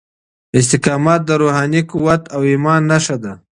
استقامت د روحاني قوت او ايمان نښه ده.